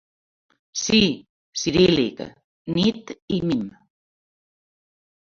Sí, ciríl·lic: nit i mim.